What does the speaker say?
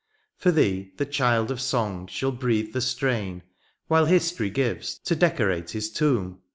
For thee the child of song shall breathe the strain. While history gives, to decorate his tomb.